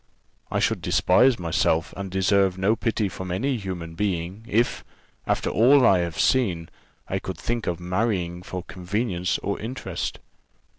"I should despise myself and deserve no pity from any human being, if, after all I have seen, I could think of marrying for convenience or interest."